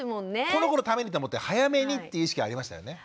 この子のためにと思って早めにっていう意識ありましたよね。